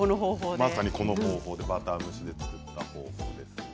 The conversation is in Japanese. まさにこの方法でバター蒸しを作ったものです。